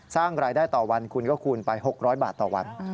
สร้างรายได้ต่อวันคุณก็คูณไป๖๐๐บาทต่อวัน